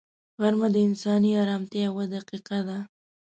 غرمه د انساني ارامتیا یوه دقیقه ده